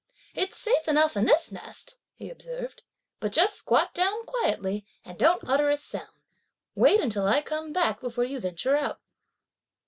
"It's safe enough in this nest," he observed, "but just squat down quietly and don't utter a sound; wait until I come back before you venture out."